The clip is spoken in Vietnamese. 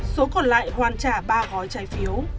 số còn lại hoàn trả ba gói trái phiếu